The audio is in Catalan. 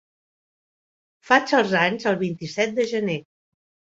Faig els anys el vint-i-set de gener.